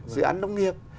dự án nông nghiệp